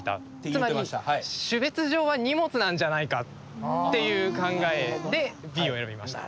つまり種別上は荷物なんじゃないかっていう考えでＢを選びました。